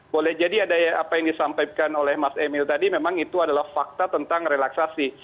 boleh jadi ada apa yang disampaikan oleh mas emil tadi memang itu adalah fakta tentang relaksasi